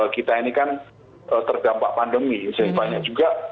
kita ini kan terdampak pandemi seibanya juga